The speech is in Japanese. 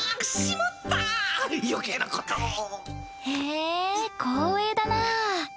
へえ光栄だなぁ。